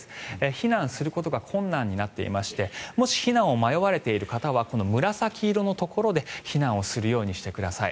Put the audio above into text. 避難することが困難になっていましてもし避難を迷われている方は紫色のところで避難をするようにしてください。